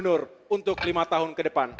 akan saya menjadi gubernur untuk lima tahun ke depan